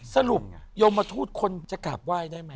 สรุปโยมทูตคนจะกราบไหว้ได้ไหม